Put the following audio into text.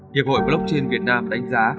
hiệp hội blockchain việt nam đánh giá